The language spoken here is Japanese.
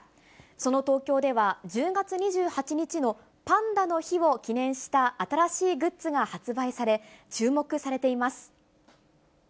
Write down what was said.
その東京では１０月２８日のパンダの日を記念した新しいグッズが発売され、注目されています。